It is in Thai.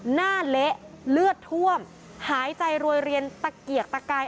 เละเลือดท่วมหายใจรวยเรียนตะเกียกตะกาย